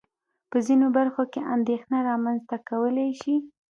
په ځينو برخو کې اندېښنه رامنځته کولای شي.